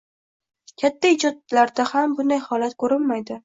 Katta ijodkorlarda ham bu holat ko‘rinmaydi.